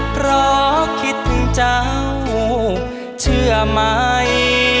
เพราะคิดถึงเจ้าเชื่อไหม